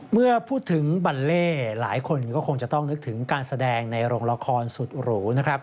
เมื่อพูดถึงบัลเล่หลายคนก็คงจะต้องนึกถึงการแสดงในโรงละครสุดหรูนะครับ